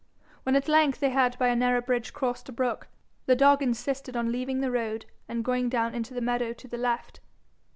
When at length they had by a narrow bridge crossed a brook, the dog insisted on leaving the road and going down into the meadow to the left.